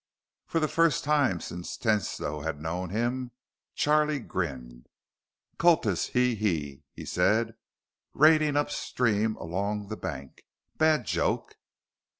For the first time since Tesno had known him, Charlie grinned. "Cultus he he," he said, reining upstream along the bank. "Bad joke."